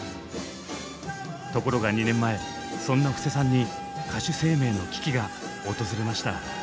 ところが２年前そんな布施さんに歌手生命の危機が訪れました。